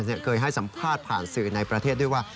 เนี่ยเคยให้สัมภาษณ์ผ่านสื่อในประเทศที่ว่า